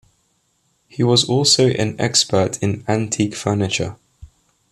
He was also an expert in antique furniture.